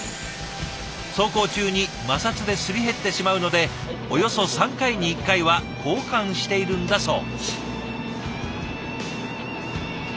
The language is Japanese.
走行中に摩擦ですり減ってしまうのでおよそ３回に１回は交換しているんだそう。